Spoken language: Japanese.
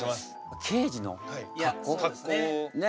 刑事の格好？ね！